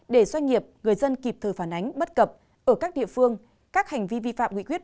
để doanh nghiệp gửi dân kịp thời phản ánh bất cập ở các địa phương các hành vi vi phạm nghị quyết một trăm hai mươi tám